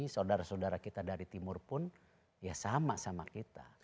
saudara saudara kita dari timur pun ya sama sama kita